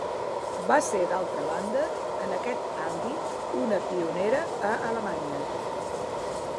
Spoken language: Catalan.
Va ser d'altra banda, en aquest àmbit, una pionera a Alemanya.